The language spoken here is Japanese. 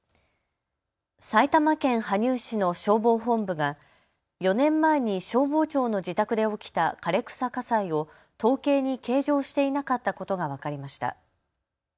埼玉県羽生市の消防本部が４年前に消防長の自宅で起きた枯れ草火災を統計に計上していなかったことが分かりました。